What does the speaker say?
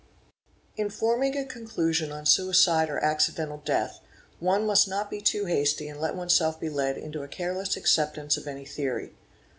In forming a conclusion on suicide or accidental death one must not be too hasty and let oneself be led into a careless acceptance of any { theory.